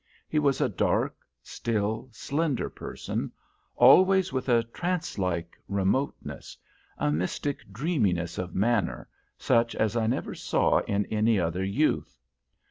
He was a dark, still, slender person, always with a trance like remoteness, a mystic dreaminess of manner, such as I never saw in any other youth.